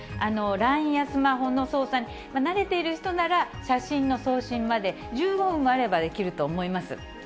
ＬＩＮＥやスマホの操作に慣れている人なら、写真の送信まで、１５分もあればできると思います。